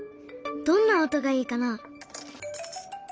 どんな音がいいかな？